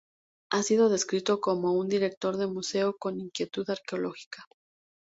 Ha sido descrito como "un director de museo con inquietud arqueológica".